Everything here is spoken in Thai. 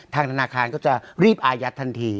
ธนาคารก็จะรีบอายัดทันที